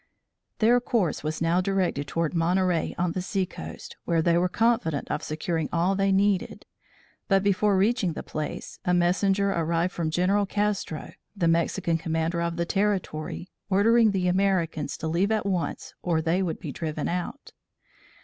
Their course was now directed toward Monterey on the sea coast, where they were confident of securing all they needed, but before reaching the place, a messenger arrived from General Castro, the Mexican commander of the territory, ordering the Americans to leave at once or they would be driven out.